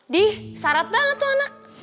dih syarat banget tuh anak